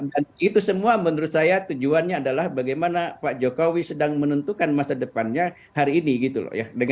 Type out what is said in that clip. dan itu semua menurut saya tujuannya adalah bagaimana pak jokowi sedang menentukan masa depannya hari ini gitu loh ya